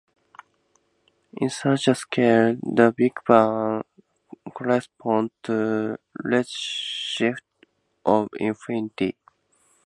In such a scale, the Big Bang corresponds to a redshift of infinity.